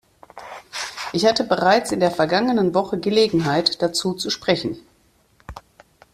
Ich hatte bereits in der vergangenen Woche Gelegenheit, dazu zu sprechen.